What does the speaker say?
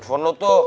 telepon lu tuh